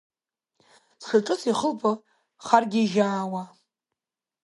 Дшаҿыц ихылԥа харгьежьаауа.